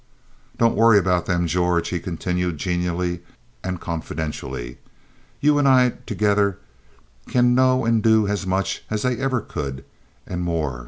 "Don't worry about them, George," he continued genially and confidentially. "You and I together can know and do as much as they ever could and more.